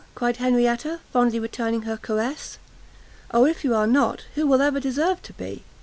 cried Henrietta, fondly returning her caress. "Oh if you are not, who will ever deserve to be!